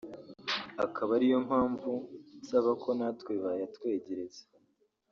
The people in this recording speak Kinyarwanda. akaba ariyo mpamvu nsaba ko natwe bayatwegereza